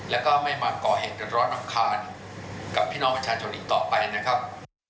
แล้วก็ไม่มาก่อเหตุเดินร้อนรำคาญกับพี่น้องประชาชนอีกต่อไปนะครับ